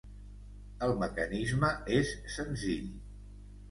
El mecanisme és senzill.